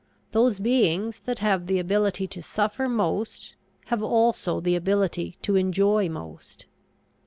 Those beings that have the ability to suffer most have also the ability to enjoy most.